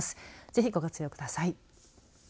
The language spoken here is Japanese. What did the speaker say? ぜひご活用ください。